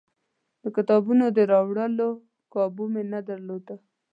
د کتابونو د وړلو کابو مې نه درلود.